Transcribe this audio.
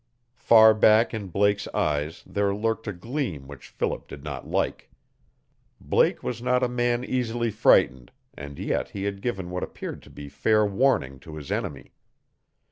Far back in Blake's eyes there lurked a gleam which Philip did not like. Blake was not a man easily frightened, and yet he had given what appeared to be fair warning to his enemy.